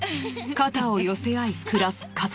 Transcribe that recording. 肩を寄せ合い暮らす家族。